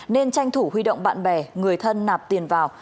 nên tranh thủ huy động bạn bè người thân nạp tiền vào